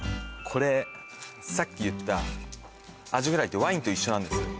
これさっき言ったアジフライってワインと一緒なんです